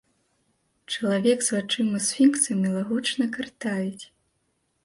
Чалавек з вачыма сфінкса мілагучна картавіць.